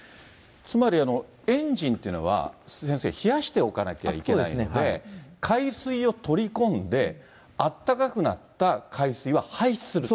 つまり、エンジンというのは、先生、冷やしておかなきゃいけないんで、海水を取り込んで、あったかくなった海水は排出する。